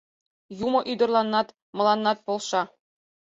Юмо ӱдырланнат, мыланнат полша.